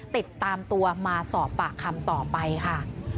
ติดตามตัวมาสอบปากคำต่อไปค่ะ